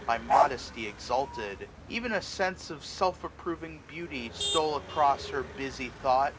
By modesty exalted : ev'n a sense Of self approving beauty stole across Her busy thought.